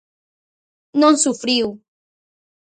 Non sufriu.